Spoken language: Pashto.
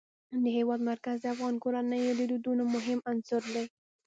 د هېواد مرکز د افغان کورنیو د دودونو مهم عنصر دی.